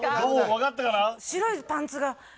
分かったかな？